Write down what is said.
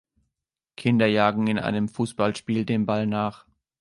Kinder jagen in einem Fußballspiel dem Ball nach.